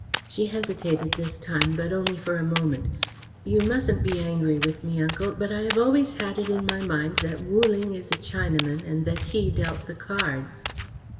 She hesitated this time, but only for a moment. "You mustn't be angry with me, Uncle, but I have always had it in my mind that Wu Ling is a Chinaman and that he dealt the cards."